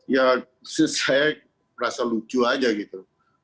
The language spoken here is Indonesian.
ya saya merasa lucu aja gitu